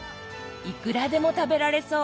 いくらでも食べられそう！